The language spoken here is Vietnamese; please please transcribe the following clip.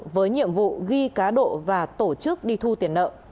với nhiệm vụ ghi cá độ và tổ chức đi thu tiền nợ